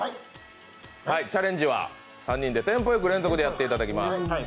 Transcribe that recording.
チャレンジは、３人でテンポよくやっていただきます。